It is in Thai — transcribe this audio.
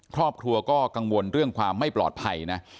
ครอบครัวก็กังวลเรื่องความไม่ปลอดภัยนะ